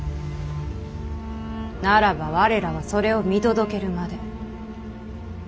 ならば我らはそれを見届けるまで。